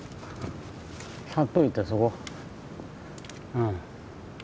うん。